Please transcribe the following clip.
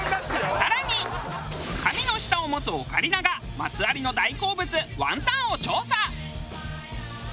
更に神の舌を持つオカリナがマツ有の大好物ワンタンを調査！